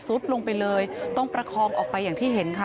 ลงไปเลยต้องประคองออกไปอย่างที่เห็นค่ะ